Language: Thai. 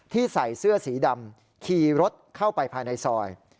ใส่เสื้อสีดำขี่รถเข้าไปภายในซอย